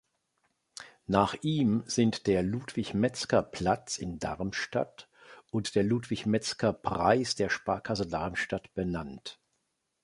Nach ihm sind der "Ludwig-Metzger-Platz" in Darmstadt und der Ludwig-Metzger-Preis der Sparkasse Darmstadt benannt.